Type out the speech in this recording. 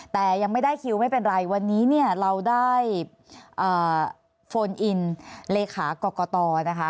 แต่ยังไม่ได้คิวไม่เป็นไรวันนี้เนี่ยเราได้โฟนอินเลขากรกตนะคะ